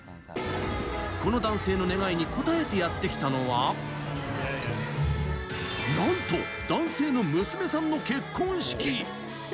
この男性の願いに応えてやってきたのは、なんと男性の娘さんの結婚式。